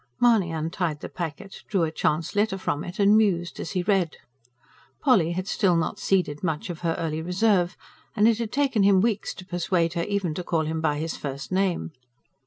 Mahony untied the packet, drew a chance letter from it and mused as he read. Polly had still not ceded much of her early reserve and it had taken him weeks to persuade her even to call him by his first name.